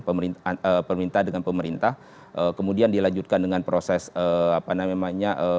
pemerintah dengan pemerintah kemudian dilanjutkan dengan proses apa namanya